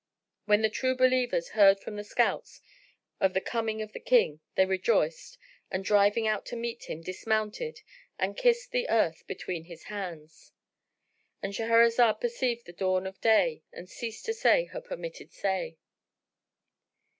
When the True Believers heard from the scouts of the coming of their King, they rejoiced and driving out to meet him, dismounted and kissed the earth between his hands——And Shahrazad perceived the dawn of day and ceased to say her permitted say.